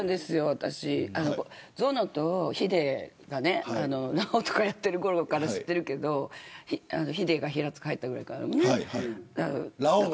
私、ゾノとヒデが、ラ王とかやっているころから知ってるけどヒデが平塚入ったぐらいからね。